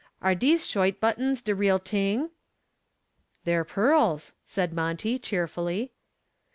Are dese shoit buttons de real t'ing?" "They're pearls," said Monty, cheerfully.